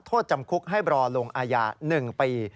โทษจำคุกให้รอลงอาญา๑ปี